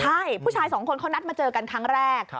ใช่ผู้ชายสองคนเขานัดมาเจอกันครั้งแรก